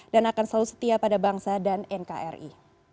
dan akan selalu setia pada bangsa dan nkri